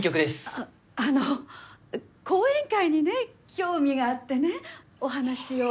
あっあの後援会にね興味があってねお話を。